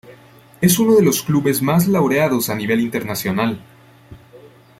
Es uno de los clubes más laureados a nivel internacional.